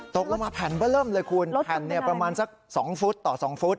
ตกลงมาแผ่นเบอร์เริ่มเลยคุณแผ่นประมาณสัก๒ฟุตต่อ๒ฟุต